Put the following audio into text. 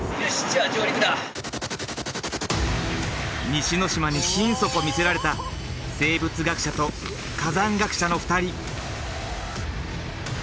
西之島に心底魅せられた生物学者と火山学者の２人。